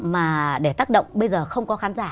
mà để tác động bây giờ không có khán giả